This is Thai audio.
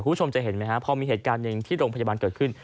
คุณผู้ชมจะเห็นไหมฮะพอมีเหตุการณ์หนึ่งที่โรงพยาบาลเกิดขึ้น